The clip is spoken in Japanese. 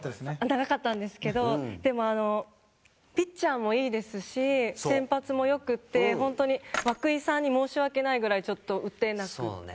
長かったんですけどでもピッチャーもいいですし先発も良くて本当に涌井さんに申し訳ないぐらいちょっと打てなくて。